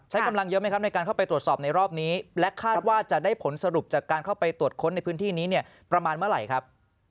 กำลังเยอะไหมครับในการเข้าไปตรวจสอบในรอบนี้และคาดว่าจะได้ผลสรุปจากการเข้าไปตรวจค้นในพื้นที่นี้เนี่ยประมาณเมื่อไหร่ครับ